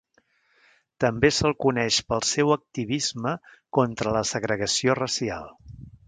També se'l coneix pel seu activisme contra la segregació racial.